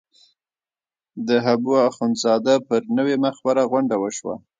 د حبواخندزاده پر نوې مقبره غونډه وشوه.